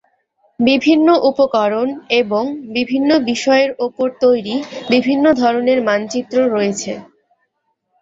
বিভিন্ন উপকরণ এবং বিভিন্ন বিষয়ের উপর তৈরি বিভিন্ন ধরনের মানচিত্র রয়েছে।